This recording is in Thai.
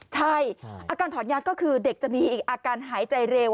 ใช่อาการถอนยาก็คือเด็กจะมีอาการหายใจเร็ว